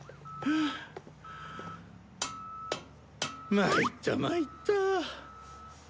まいったまいった。